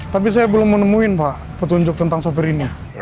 tapi saya belum menemukan pak petunjuk tentang sepiritruk ini